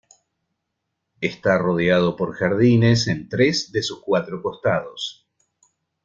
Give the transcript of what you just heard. Está rodeado por jardines en tres de sus cuatro costados.